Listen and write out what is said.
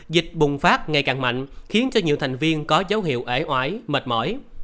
dịch bùng phát ngày càng mạnh khiến cho nhiều thành viên có dấu hiệu à oái mệt mỏi